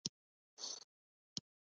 مصنوعي ځیرکتیا د شخصي زده کړې ملاتړ کوي.